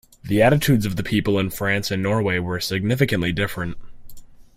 The attitudes of the people in France and Norway were significantly different.